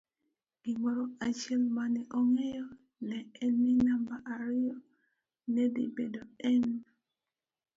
Gimoro achiel mane ong'eyo neen ni namba ariyo nedhi bedo en.